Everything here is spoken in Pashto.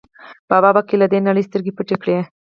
بابا په کې له دې نړۍ سترګې پټې کړې.